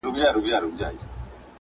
ډېری مو له وطنه په پرېښودلو مجبوره کړي